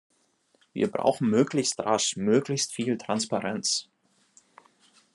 Wir brauchen möglichst rasch möglichst viel Transparenz.